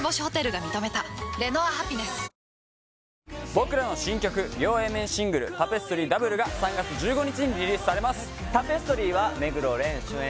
僕らの新曲両Ａ面シングル「タペストリー／Ｗ」が３月１５日にリリースされます「タペストリー」は目黒蓮主演